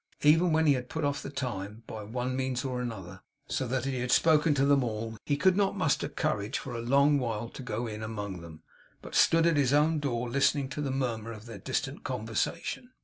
Even when he had put off the time, by one means or other, so that he had seen or spoken to them all, he could not muster courage for a long while to go in among them, but stood at his own door listening to the murmur of their distant conversation.